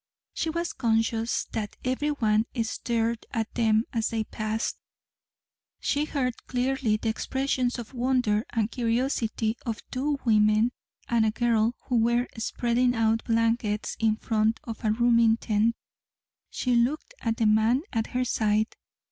She was conscious that every one stared at them as they passed. She heard clearly the expressions of wonder and curiosity of two women and a girl who were spreading out blankets in front of a rooming tent. She looked at the man at her side.